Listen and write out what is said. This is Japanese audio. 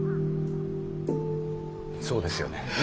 そうですよね。